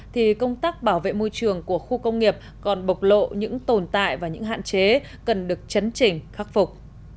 thì công tác bảo vệ môi trường của khu công nghiệp còn bộc lộ những tồn tại và những hạn chế cần được chấn trình khắc phục